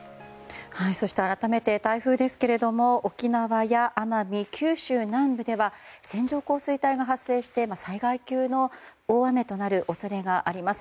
改めて台風ですけども沖縄や、奄美、九州南部では線状降水帯が発生して災害級の大雨となる恐れがあります。